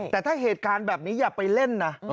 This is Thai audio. แต่ถ้าเหตุการณ์แบบนี้อย่าไปเล่นนะ